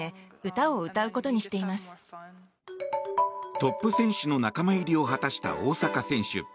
トップ選手の仲間入りを果たした大坂選手。